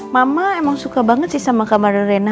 mama emang suka banget sih sama kamar rena